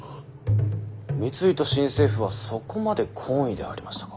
三井と新政府はそこまで懇意でありましたか。